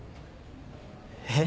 えっ？